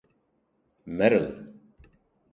Merrill.